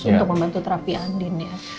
untuk membantu terapi andin